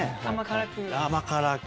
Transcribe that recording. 甘辛く。